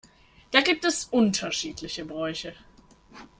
Da gibt es unterschiedliche Bräuche.